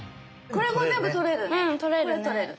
これもう全部取れるね。